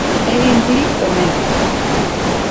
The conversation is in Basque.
Egin klik hemen